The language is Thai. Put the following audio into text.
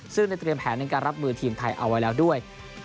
ซึ่งได้เตรียมแผนในการรับมือทีมไทยเอาไว้แล้วด้วย